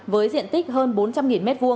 với diện tích hơn bốn trăm linh m hai